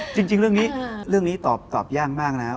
จริงเรื่องนี้เรื่องนี้ตอบยากมากนะครับ